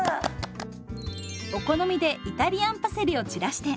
お好みでイタリアンパセリを散らして。